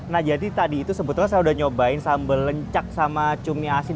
nah jadi tadi itu sebetulnya saya udah nyobain sambal lencak sama cumi asin